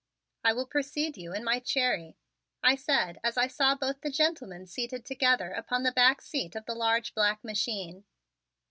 "I will precede you in my Cherry," I said as I saw both the gentlemen seated together upon the back seat of the large black machine.